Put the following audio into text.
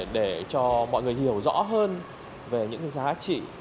để cho mọi người hiểu rõ hơn về những giá trị